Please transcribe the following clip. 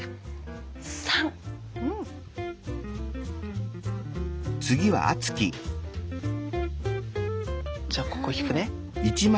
３。じゃあここ引くね。